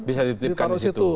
bisa dititipkan di situ